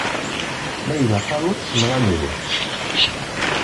Ma ilaq ad nḍes neɣ ad nru?